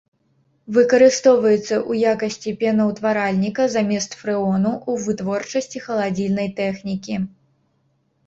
Выкарыстоўваецца ў якасці пенаўтваральніка замест фрэону ў вытворчасці халадзільнай тэхнікі.